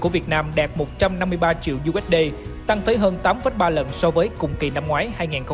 của việt nam đạt một trăm năm mươi ba triệu usd tăng tới hơn tám ba lần so với cùng kỳ năm ngoái hai nghìn hai mươi ba